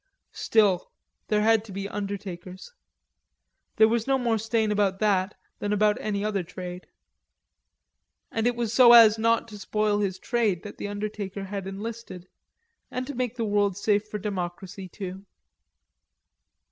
Still, there had to be undertakers. There was no more stain about that than about any other trade. And it was so as not to spoil his trade that the undertaker had enlisted, and to make the world safe for democracy, too.